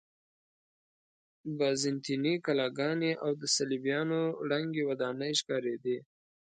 بازنطیني کلاګانې او د صلیبیانو ړنګې ودانۍ ښکارېدې.